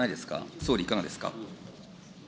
総理、いかがですか。